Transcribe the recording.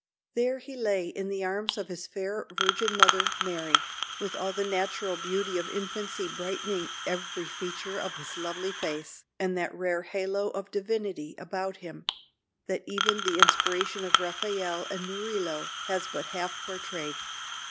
There he lay in the arms of his fair virgin mother, Mary, with all the native beauty of infancy brightening every feature of his lovely face, and that rare halo of divinity about him that even the inspiration of Raphael and Murillo has but half portrayed.